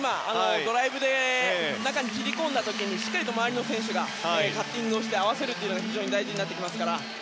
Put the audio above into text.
ドライブで中に切り込んだ時にしっかりと周りの選手がカッティングをして合わせるのが大事になってきますから。